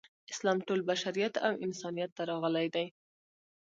اسلام ټول بشریت او انسانیت ته راغلی دی.